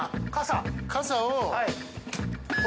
傘を。